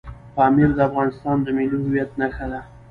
پامیر د افغانستان د ملي هویت نښه ده.